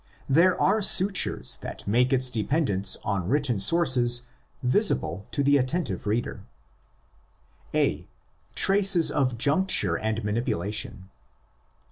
There are sutures that make its dependence on written sources visible to the attentive reader. A.—Traces of Juncture and Manipulation.